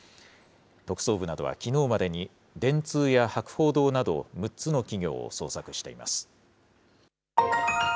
特捜部などはきのうまでに電通や博報堂など、６つの企業を捜索しています。